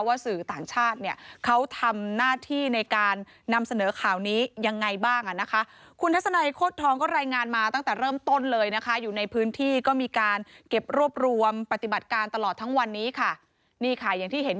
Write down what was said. ว่าสื่อต่างชาติเนี่ยเขาทำหน้าที่ในการนำเสนอข่าวนี้ยังไงบ้างอะนะคะ